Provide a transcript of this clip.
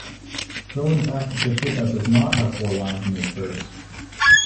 Though in fact the Peshitta does not have four lines in this verse.